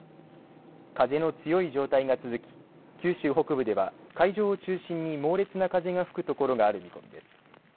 風の強い状態が続き九州北部では海上を中心に猛烈な風が吹くところがある見込みです。